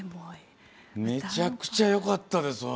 めちゃくちゃよかったです